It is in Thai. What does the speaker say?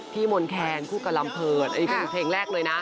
พี่มนต์แคงคู่กับลำเผิญนี่เป็นเพลงแรกด้วยนะ